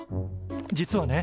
実はね